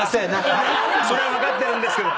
それは分かってるんですけど。